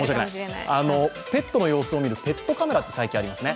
ペットの様子を見るペットカメラって最近ありますね。